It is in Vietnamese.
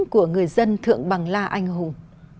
của người dân thượng bằng la anh hùng